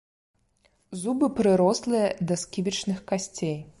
Зубы прырослыя да сківічных касцей.